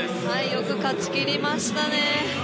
よく勝ちきりましたね。